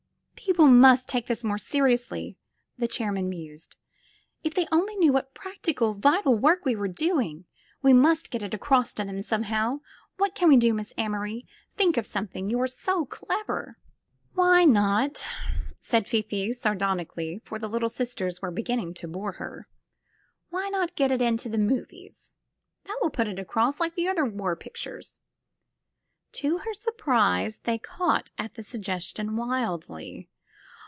"People must take this more seriously," the chairman mused. "If they only knew what practical, vital work we were doing ! We must get it across to them somehow. What can we do. Miss Amory? Think of something. You're so clever!" 183 SQUARE PEGGY tt' Why not," said Fifi, sardonically, for the Little Sis ters were beginning to bore her — '*why not get it into the movies ? That will put it across — ^like the other war pictures.'* To her surprise they caught at the suggestion wildly.